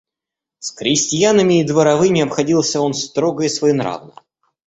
С крестьянами и дворовыми обходился он строго и своенравно.